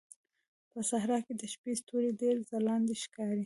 په صحراء کې د شپې ستوري ډېر ځلانده ښکاري.